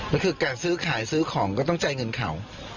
แล้วคือการซื้อขายซื้อของก็ต้องจ่ายเงินเขา